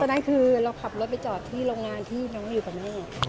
นั้นคือเราขับรถไปจอดที่โรงงานที่น้องอยู่กับแม่